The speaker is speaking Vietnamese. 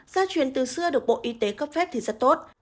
gia truyền từ xưa được bộ y tế cấp phép thì rất tốt